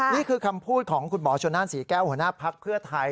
นี่คือคำพูดของคุณหมอชนนั่นศรีแก้วหัวหน้าภักดิ์เพื่อไทย